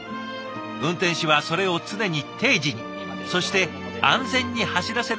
運転士はそれを常に定時にそして安全に走らせるのが任務です。